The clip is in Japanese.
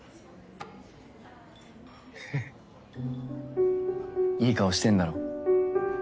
ははっいい顔してんだろ。